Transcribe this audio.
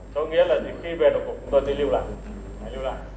có nghĩa là khi về tổng phục chúng ta sẽ lưu lại